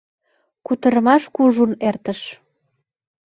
Кутырымаш кужун эртыш.